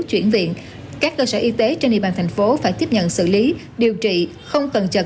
chuyển viện các cơ sở y tế trên địa bàn thành phố phải tiếp nhận xử lý điều trị không tầng chật